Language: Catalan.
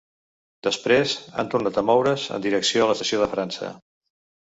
Després, han tornat a moure’s, en direcció a l’estació de França.